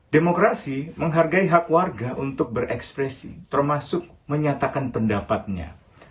demokrasi menghargai hak warga untuk berekspresi termasuk menyatakan pendapatnya